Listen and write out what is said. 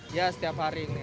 ya setiap hari ini